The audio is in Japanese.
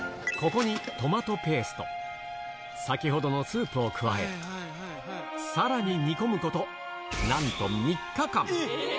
ここにトマトペースト、先ほどのスープを加え、さらに煮込むこと、なんと３日間。